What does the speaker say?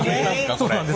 そうなんです。